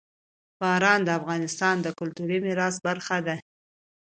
باران د افغانستان د کلتوري میراث برخه ده.